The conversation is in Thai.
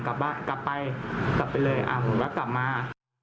ผมว่ากลับมา